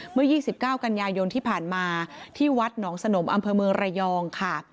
เมื่อ๒๙กันยายนที่ผ่านมาที่วัดหนองสนมอำเภอเมืองระยองค่ะ